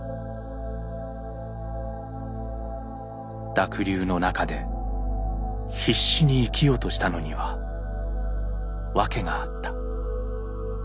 濁流の中で必死に生きようとしたのには訳があった。